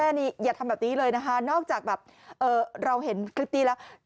อย่าทำแบบนี้เลยนะคะนอกจากแบบเราเห็นคลิปนี้แล้ว